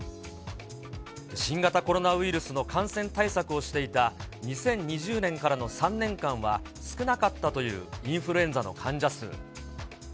新型コロナウイルスの感染対策をしていた２０２０年からの３年間は少なかったというインフルエンザの患者数。